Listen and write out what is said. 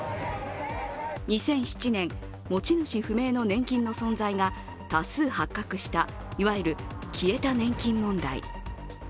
２００７年、持ち主不明の年金の存在が多数発覚したいわゆる消えた年金問題。